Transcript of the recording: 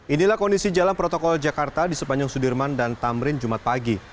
inilah kondisi jalan protokol jakarta di sepanjang sudirman dan tamrin jumat pagi